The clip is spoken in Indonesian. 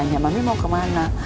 dia nanya mami mau kemana